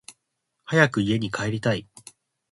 早く家に帰りたい